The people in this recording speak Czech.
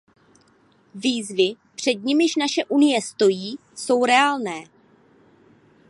Výzvy, před nimiž naše Unie stojí, jsou reálné.